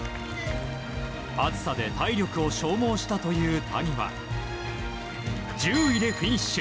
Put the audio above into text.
暑さで体力を消耗したという谷は１０位でフィニッシュ。